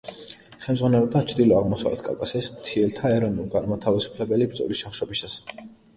ხელმძღვანელობდა ჩრდილო-აღმოსავლეთ კავკასიის მთიელთა ეროვნულ-განმათავისუფლებელი ბრძოლის ჩახშობას.